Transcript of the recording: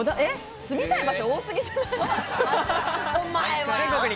住みたい場所、多すぎじゃない？